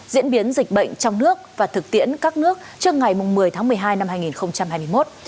diễn biến dịch bệnh trong nước và thực tiễn các nước trước ngày một mươi tháng một mươi hai năm hai nghìn hai mươi một